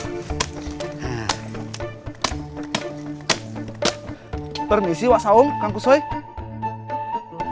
bapak bapik maaf enggak jaga saya ya